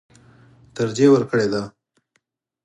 ترجېح ورکړې ده.